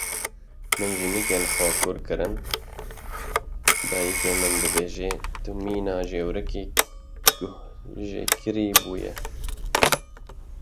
Min cênîkên xwe kur kirin dayika min dibêje tu mîna cewrikê guhjêkirî bûye.